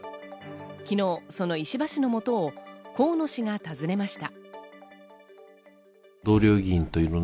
昨日その石破氏の元を河野氏が訪ねました。